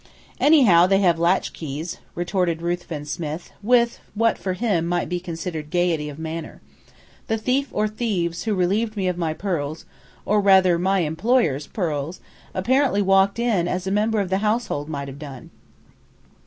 "Anyhow, they have latchkeys," retorted Ruthven Smith, with what for him might be considered gaiety of manner. "The thief or thieves who relieved me of my pearls or rather, my employer's pearls apparently walked in as a member of the household might have done."